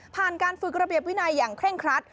การฝึกระเบียบวินัยอย่างเคร่งครัด